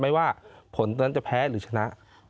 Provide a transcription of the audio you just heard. ไม่ว่าผลนั้นจะแพ้หรือชนะ